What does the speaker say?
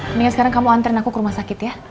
mendingan sekarang kamu anterin aku ke rumah sakit ya